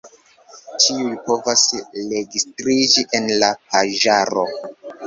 Ĉiuj povas registriĝi en la paĝaro.